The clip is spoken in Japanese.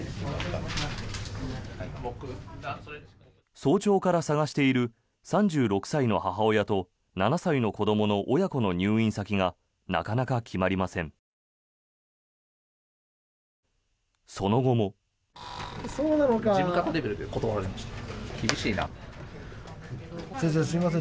早朝から探している３６歳の母親と７歳の子どもの親子の入院先がなかなか決まりません。